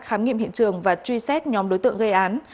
khám nghiệm hiện trường và truy xét nhóm đối tượng gây án